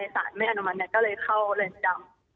สารไม่อนุมัติก็เลยเข้าเรือนจำ